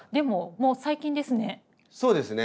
そうですね。